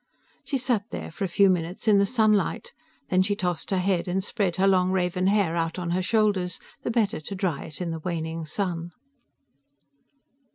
She sat there for a few minutes in the sunlight, then she tossed her head and spread her long raven hair out on her shoulders, the better to dry it in the waning sun.